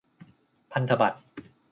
พันธบัตร